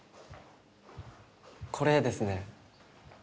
これですね。